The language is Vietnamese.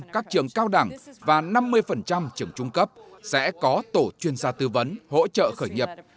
một trăm linh các trường cao đẳng và năm mươi trường trung cấp sẽ có tổ chuyên gia tư vấn hỗ trợ khởi nghiệp